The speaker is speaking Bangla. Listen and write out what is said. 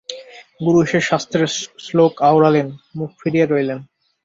গুরু এসে শাস্ত্রের শ্লোক আওড়ালেন, মুখ ফিরিয়ে রইলেন।